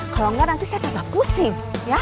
kalau enggak nanti saya tambah pusing